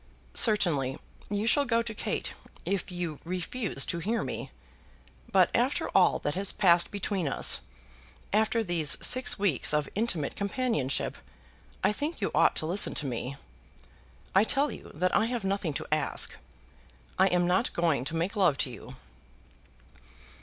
"Certainly you shall go to Kate, if you refuse to hear me. But after all that has passed between us, after these six weeks of intimate companionship, I think you ought to listen to me. I tell you that I have nothing to ask. I am not going to make love to you."